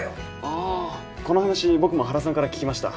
あこの話僕も原さんから聞きました。